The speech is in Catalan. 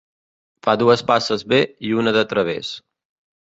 Fa dues passes bé i una de través.